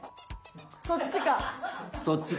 そっちか！